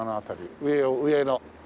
上を上の。